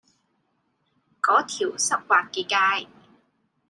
嗰條濕滑嘅街